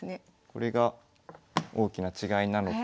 これが大きな違いなのと。